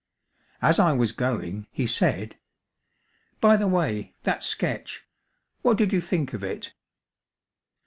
As I was going he said: "By the way, that sketch what did you think of it?"